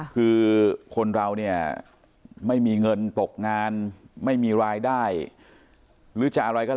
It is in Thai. คือคนเราเนี่ยไม่มีเงินตกงานไม่มีรายได้หรือจะอะไรก็แล้ว